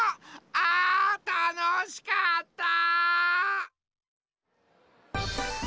あたのしかった！